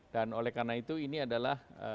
dan oleh karena itu ini adalah